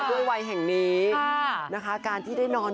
ด้วยวัยแห่งนี้นะคะการที่ได้นอน